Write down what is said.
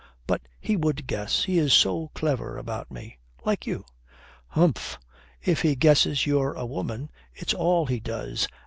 But he would guess. He is so clever about me. Like you." "Humph. If he guesses you're a woman, it's all he does.